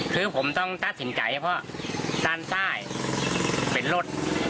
คือผมต้องตัดสินใจเพราะด้านใต้เป็นรถ